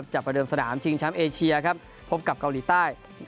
ประเดิมสนามชิงแชมป์เอเชียครับพบกับเกาหลีใต้